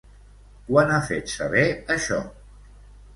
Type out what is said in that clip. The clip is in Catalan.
Quan ha fet saber això?